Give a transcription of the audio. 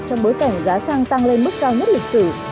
trong bối cảnh giá xăng tăng lên mức cao nhất lịch sử